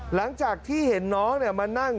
หลังจากที่เห็นน้องมานั่ง